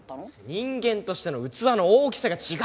人間としての器の大きさが違うんだよ。